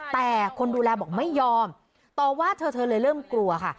แต่คนดูแลบอกไม่ยอมต่อว่าเธอเธอเลยเริ่มกลัวค่ะ